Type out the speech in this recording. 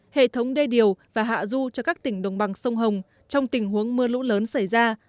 hệ thống đê điều và hạ du cho các tỉnh đồng bằng sông hồng trong tình huống mưa lũ lớn xảy ra